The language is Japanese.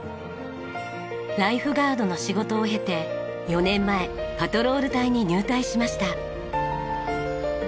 ライフガードの仕事を経て４年前パトロール隊に入隊しました。